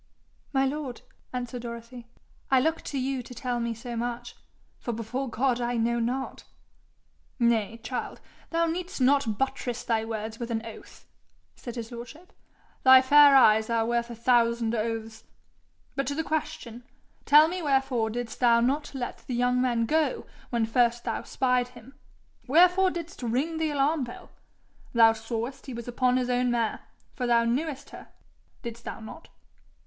'My lord,' answered Dorothy, 'I look to you to tell me so much, for before God I know not.' 'Nay, child! thou need'st not buttress thy words with an oath,' said his lordship. 'Thy fair eyes are worth a thousand oaths. But to the question: tell me wherefore didst thou not let the young man go when first thou spied him? Wherefore didst ring the alarm bell? Thou sawest he was upon his own mare, for thou knewest her didst thou not?'